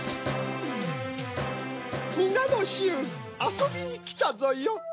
みなのしゅうあそびにきたぞよ。